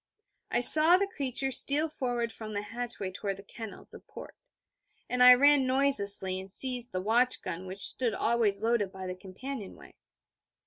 I saw the creature steal forward from the hatchway toward the kennels a port; and I ran noiselessly, and seized the watch gun which stood always loaded by the companionway.